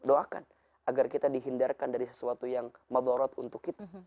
doakan agar kita dihindarkan dari sesuatu yang madharorat untuk kita